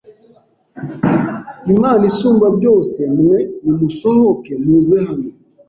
Imana Isumbabyose mwe nimusohoke muze hano